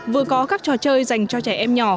vừa có các trò chơi dành cho trẻ em nhỏ